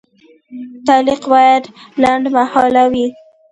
تعلیق باید لنډمهاله وي.